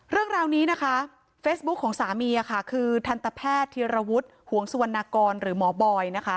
เรื่องราวนี้นะคะเฟซบุ๊คของสามีค่ะคือทันตแพทย์ธีรวุฒิหวงสุวรรณกรหรือหมอบอยนะคะ